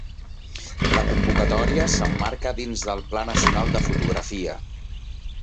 La convocatòria s'emmarca dins del Pla Nacional de Fotografia.